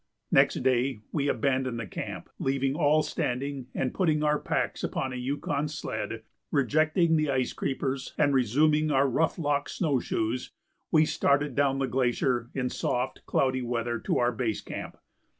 Next day we abandoned the camp, leaving all standing, and, putting our packs upon a Yukon sled, rejecting the ice creepers, and resuming our rough locked snow shoes, we started down the glacier in soft, cloudy weather to our base camp.